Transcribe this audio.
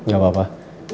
gak apa lah